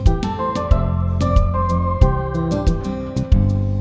udah pak bos